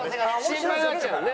心配になっちゃうんだね。